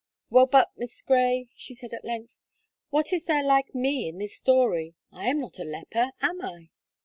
"Well but, Miss Gray," she said, at length, "what is there like me in this story; I am not a leper, am I?"